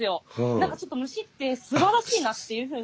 何かちょっと虫ってすばらしいなっていうふうに。